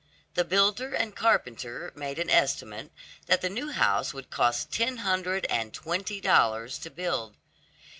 The builder and carpenter made an estimate that the new house would cost ten hundred and twenty dollars to build.